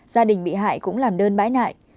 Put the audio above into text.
gia đình bị hại cũng làm đơn bãi nại